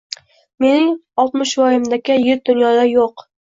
Mening Oltmishvoyimdaka yigit dunyoda yo‘q.